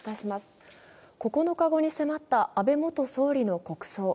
９日後に迫った安倍元総理の国葬。